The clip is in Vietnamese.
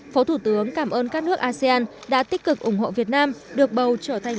phó thủ tướng cảm ơn các nước asean đã tích cực ủng hộ việt nam được bầu trở thành